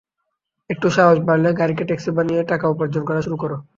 একটু সাহস বাড়লেই, গাড়িকে ট্যাক্সি বানিয়ে টাকা উপার্জন করা শুরু করো।